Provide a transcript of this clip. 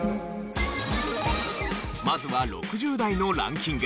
まずは６０代のランキング。